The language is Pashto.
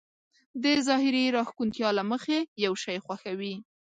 د ظاهري راښکونتيا له مخې يو شی خوښوي.